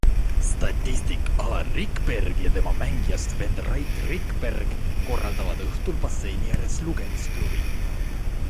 Statistik Alar Rikberg ja tema mängijast vend Rait Rikberg korraldavad õhtul basseini ääres lugemisklubi.